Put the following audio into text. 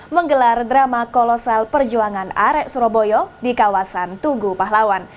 menggelar drama kolosal perjuangan arek surabaya di kawasan tugu pahlawan